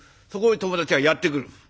そこへ友達がやって来る。